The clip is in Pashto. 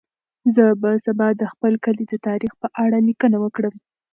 زه به سبا د خپل کلي د تاریخ په اړه لیکنه وکړم.